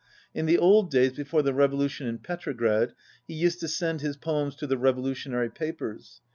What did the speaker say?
In the old days before the revolution in Petrograd he used to send his poems to the revolutionary papers.